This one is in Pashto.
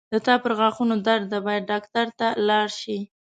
د تا پرغاښونو درد ده باید ډاکټر ته لاړ شې